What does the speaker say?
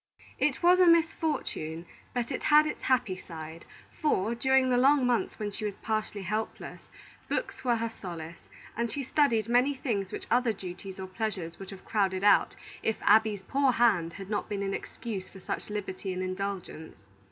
It was a misfortune, but it had its happy side; for, during the long months when she was partially helpless, books were her solace, and she studied many things which other duties or pleasures would have crowded out, if "Abby's poor hand" had not been an excuse for such liberty and indulgence.